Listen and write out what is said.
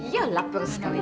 ya lapar sekali